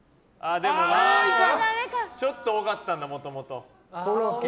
ちょっと多かったんだもともと。